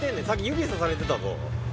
さっき指さされてたぞ。